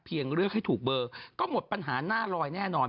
เลือกให้ถูกเบอร์ก็หมดปัญหาหน้าลอยแน่นอน